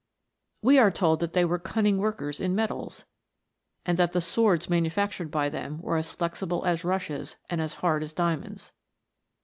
We are told that they were cunning workers in metals, and that the swords manufac tured by them, were as flexible as rushes, and as hard as diamonds.